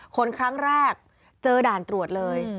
คนครั้งแรกเจอด่านตรวจเลย